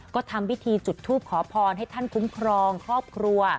ก็ทำพิธีจุดทูปขอพรให้ท่านคุ้มครองครอบครัว